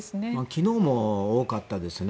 昨日も多かったですね。